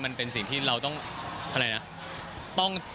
มันเป็นสิ่งที่เราต้อง